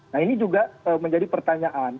nah ini juga menjadi pertanyaan